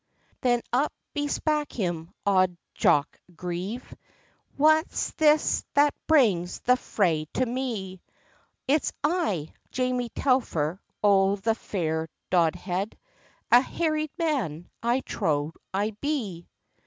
Then up bespak him auld Jock Grieve— "Wha's this that brings the fray to me?" "It's I, Jamie Telfer o' the fair Dodhead, A harried man I trow I be.